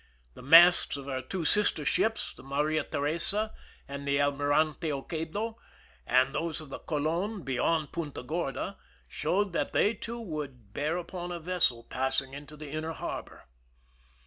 The masts of her two sister ships, the Maria Teresa and the Almirante OquendOj and those of the Coldn beyond Punta Gorda showed that they too would bear upon a vessel passing into the inner harbor.